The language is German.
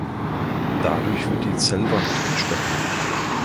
Dadurch wird die Zellwand instabil.